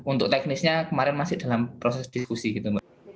untuk teknisnya kemarin masih dalam proses diskusi gitu mbak